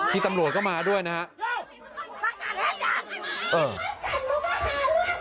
พี่ตำรวจก็มาด้วยนะฮะ